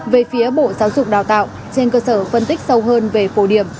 về phía bộ giáo dục đào tạo trên cơ sở phân tích sâu hơn về phổ điểm